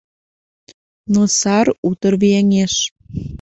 Но сар утыр вияҥеш.